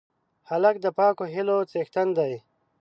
هلک د پاکو هیلو څښتن دی.